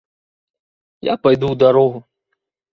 Я пайду ў дарогу.